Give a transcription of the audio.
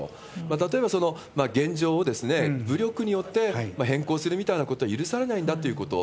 例えば、現状を武力によって変更するみたいなことは許されないんだということ。